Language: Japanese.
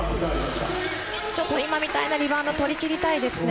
今みたいなリバウンドとりきりたいですね。